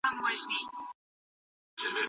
د پښتو ژبې خدمت يې وکړ.